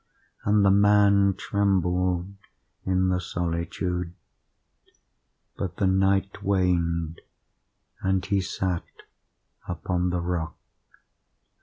And the man trembled in the solitude;—but the night waned and he sat upon the rock.